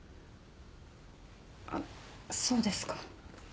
あっそうですか。